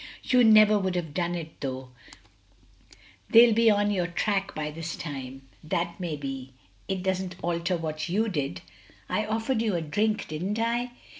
"You never would have done it, though; they'll be on your track by this time." "That may be. It doesn't alter what you did." "I offered you a drink, didn't I?